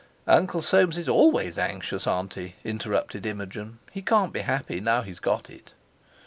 "Uncle Soames is always anxious, Auntie," interrupted Imogen; "he can't be happy now he's got it."